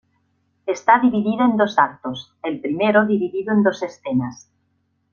Está dividida en dos actos, el primero dividido en dos escenas.